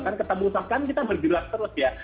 kan ketemu usaha kan kita bergerak terus ya